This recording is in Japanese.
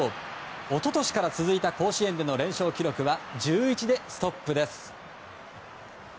一昨年から続いた甲子園での連勝記録は１１でストップです。